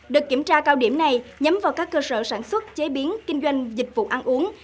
đợt kiểm tra cao điểm này nhắm vào các cơ sở sản xuất chế biến kinh doanh dịch vụ ăn uống